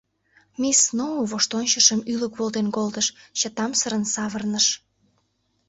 Мисс Сноу воштончышым ӱлык волтен колтыш, чытамсырын савырныш: